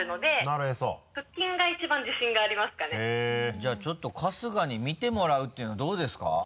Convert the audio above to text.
じゃあちょっと春日に見てもらうていうのはどうですか？